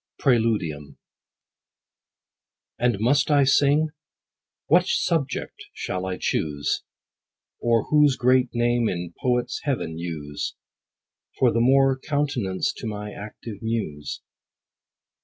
X. — PRÆLUDIUM. And must I sing ? what subject shall I choose ? Or whose great name in poets' heaven use, For the more countenance to my active muse?